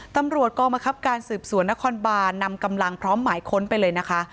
ตำรวจกองบังคับการสืบสวนนครบานนำกำลังพร้อมหมายค้นไปเลยนะคะ